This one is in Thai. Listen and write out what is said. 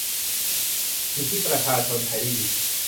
สิ่งที่ประชาชนไทยได้ยิน